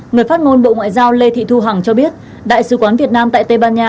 người phát ngôn bộ ngoại giao lê thị thu hằng cho biết đại sứ quán việt nam tại tây ban nha